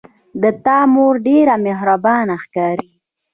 د تا مور ډیره مهربانه ښکاري